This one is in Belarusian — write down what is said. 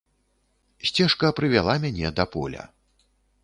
Сцежка прывяла мяне да поля.